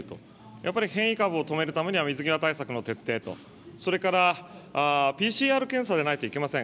やっぱり変異株を止めるためには、水際対策の徹底と、それから、ＰＣＲ検査でないといけません。